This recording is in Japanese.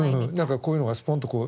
こういうのがスポンとこう。